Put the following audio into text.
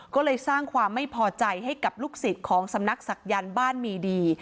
ก็เลยสร้างความไม่พอใจให้กับลูกศิษย์ของสำนักศักยันต์บ้านมีดี